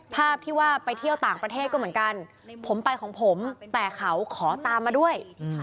ภาพที่ว่าไปเที่ยวต่างประเทศก็เหมือนกันผมไปของผมแต่เขาขอตามมาด้วย